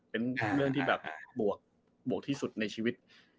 เป็นเรื่องที่แบบบวกที่สุดในชีวิต